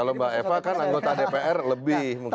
kalau mbak eva kan anggota dpr lebih mungkin